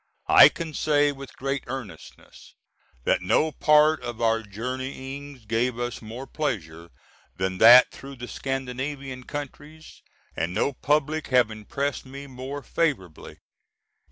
I can say with great earnestness that no part of our journeyings gave us more pleasure than that through the Scandinavian countries, and no public have impressed me more favorably.